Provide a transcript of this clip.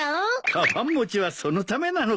かばん持ちはそのためなのか。